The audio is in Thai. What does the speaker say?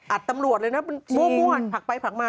ตำรวจเลยนะมันมั่วผักไปผลักมา